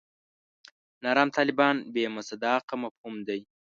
نرم طالبان بې مصداقه مفهوم دی.